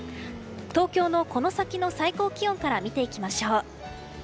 東京のこの先の最高気温から見ていきましょう。